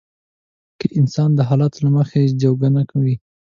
که انسان د حالاتو له مخې جوګه نه وي.